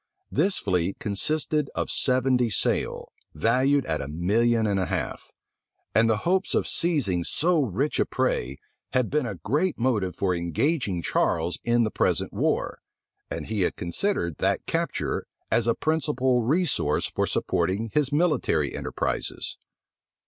This fleet consisted of seventy sail, valued at a million and a half; and the hopes of seizing so rich a prey had been a great motive for engaging Charles in the present war, and he had considered that capture as a principal resource for supporting his military enterprises.